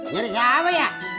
ngeri siapa ya